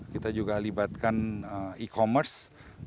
kita juga libatkan e commerce